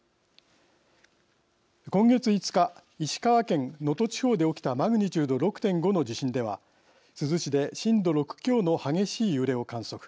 今月５日石川県能登地方で起きたマグニチュード６．５の地震では珠洲市で震度６強の激しい揺れを観測。